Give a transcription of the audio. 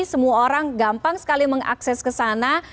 semua orang gampang sekali mengakses ke sana